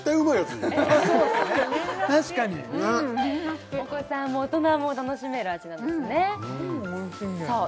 みんな好きお子さんも大人も楽しめる味なんですねさあ